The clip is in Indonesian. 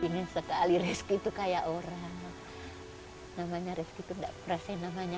ingin sekali rezeki itu kayak orang namanya rezeki tidak perasaan namanya